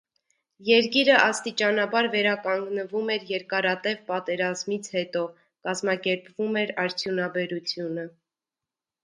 Երկիրը աստիճանաբար վերականգնվում էր երկարատև պատերազմից հետո, կազմակերպվում էր արդյունաբերությունը։